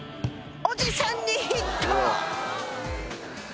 おじさんにヒット！